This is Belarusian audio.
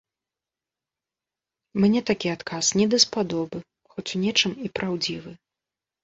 Мне такі адказ недаспадобы, хоць у нечым і праўдзівы.